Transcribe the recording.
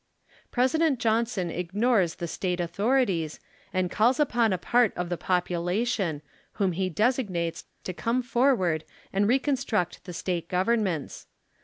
President Johnson ignores the State authorities, and calls upon a part of the population, whom he designates to come forward and reconstruct the State Governments.